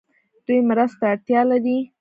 دوی مرستو ته اړتیا لري.